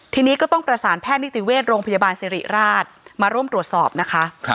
ทีนี้ก็ต้องประสานแพทย์นิติเวชโรงพยาบาลสิริราชมาร่วมตรวจสอบนะคะ